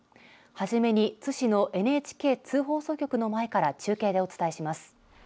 はじめに津市のＮＨＫ津放送局の前から中継でお伝えします。